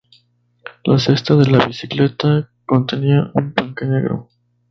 La cesta de la bicicleta contenía un paquete negro.